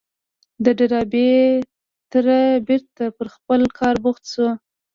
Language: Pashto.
د ډاربي تره بېرته پر خپل کار بوخت شو.